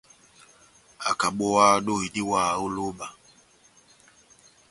ákabówáhá dóhi diwáha ó lóba